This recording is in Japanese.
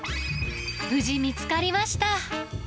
無事見つかりました。